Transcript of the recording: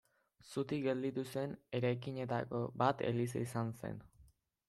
Zutik gelditu zen eraikinetako bat eliza izan zen.